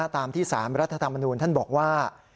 ตามที่สารรัฐธรรมนูญท่านบอกว่า